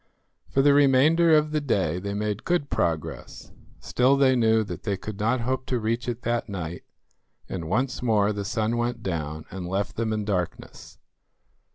For the remainder of the day they made good progress; still they knew that they could not hope to reach it that night, and once more the sun went down and left them in darkness.